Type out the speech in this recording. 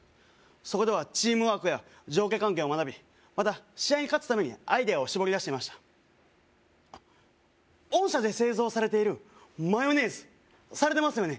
そこではチームワークや上下関係を学びまた試合に勝つためにアイデアをしぼり出していましたあっ御社で製造されているマヨネーズされてますよね？